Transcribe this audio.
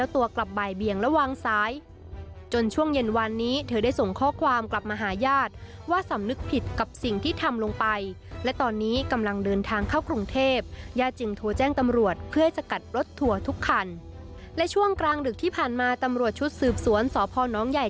ทั่วกรุงเทพฯยาจิงโทรแจ้งตำรวจเพื่อให้สกัดสถวันตัวทั่วทุกครรณและช่วงกลางดึกที่ผ่านมาตำรวจชุดสืบสวนสพนใหญ่